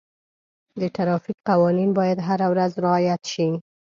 د ټرافیک قوانین باید هره ورځ رعایت شي.